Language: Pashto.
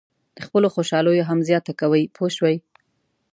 د خپلو خوشالیو هم زیاته کوئ پوه شوې!.